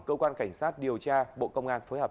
cơ quan cảnh sát điều tra bộ công an phối hợp